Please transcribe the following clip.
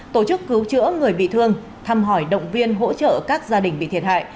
tổ chức cứu chữa người bị thương thăm hỏi động viên hỗ trợ các gia đình bị thiệt hại